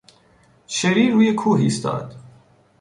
شری روی کوه ایستاد.